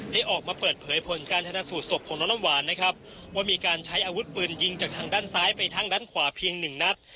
ได้ออกมาเปิดเผยผลการชนะสูตรศพของน้องน้ำหวานนะครับว่ามีการใช้อาวุธปืนยิงจากทางด้านซ้ายไปทางด้านขวาเพียงหนึ่งนัด